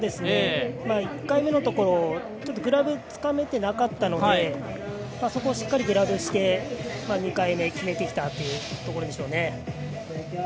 １回目のところグラブつかめてなかったのでそこをしっかりグラブして２回目決めてきたというところでしょうね。